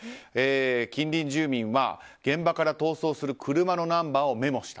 近隣住民は現場から逃走する車のナンバーをメモした。